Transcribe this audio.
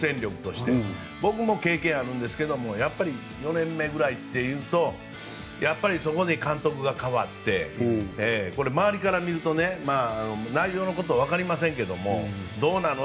僕も経験があるんですけど４年目ぐらいというとそこで監督が代わって周りから見ると内容のことはわかりませんけどもどうなの？